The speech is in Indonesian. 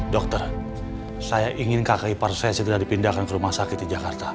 dokter saya ingin kakak ipar saya segera dipindahkan ke rumah sakit di jakarta